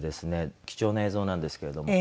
貴重な映像なんですけれども。